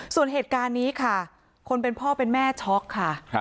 ส่วนเหตุการณ์นี้ค่ะคนเป็นพ่อเป็นแม่ช็อกค่ะ